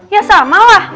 ya sama lah